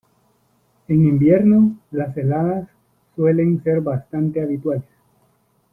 En invierno, las heladas suelen ser bastante habituales.